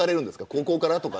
高校から、とか。